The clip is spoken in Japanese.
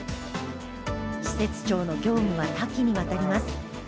施設長の業務は多岐に渡ります。